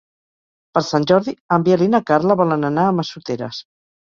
Per Sant Jordi en Biel i na Carla volen anar a Massoteres.